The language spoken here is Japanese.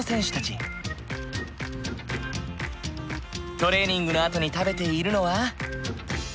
トレーニングのあとに食べているのは。